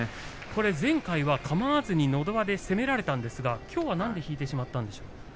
これ前回はかまわずにのど輪で攻められたんですがきょうは、なんで引いてしまったんでしょう？